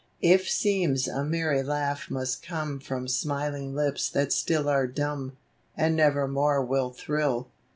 If seems a meny laugh must come Prom smiling lips that still are dumb, And never more will thrill.